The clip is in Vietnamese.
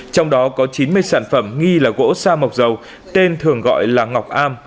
trong đó có chín mươi sản phẩm nghi là gỗ sa mộc dầu tên thường gọi là ngọc am